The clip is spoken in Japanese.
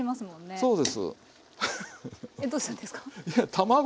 そうです。